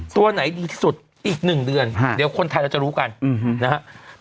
ตัวไหนดีที่สุดอีก๑เดือนเดี๋ยวคนไทยเราจะรู้กันนะครับ